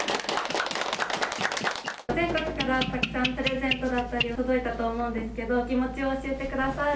全国からたくさんプレゼントだったり届いたと思うんですけど気持ちを教えてください。